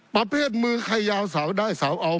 ประเภทมือใครยาวเสาได้เสาเอา